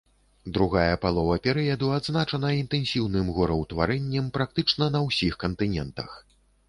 Другая палова перыяду адзначана інтэнсіўным гораўтварэннем практычна на ўсіх кантынентах.